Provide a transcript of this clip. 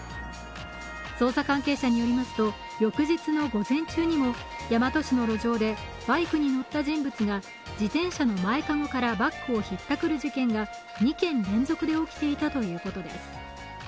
捜査関係者によりますと、翌日の午前中にも大和市の路上でバイクに乗った人物が自転車の前籠からバッグをひったくる事件が２件連続で起きていたということです。